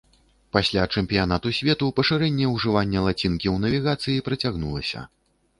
Пасля чэмпіянату свету пашырэнне ўжывання лацінкі ў навігацыі працягнулася.